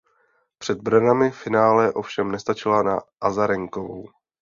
Před branami finále ovšem nestačila na Azarenkovou.